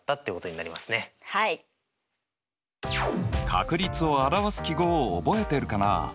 確率を表す記号を覚えてるかな？